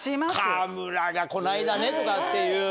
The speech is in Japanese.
「川村がこの間ね」とかっていう。